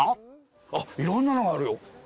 あっいろんなのがあるよ。